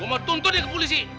gua mau tuntut dia ke polisi